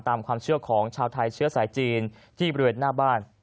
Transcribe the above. ตามความเชื่อของชาวไทยเชื้อสายจีนที่บริเวณหน้าบ้าน